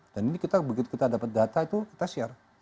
dan ini kita begitu kita dapat data itu kita share